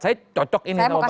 saya cocok ini sama bang jansen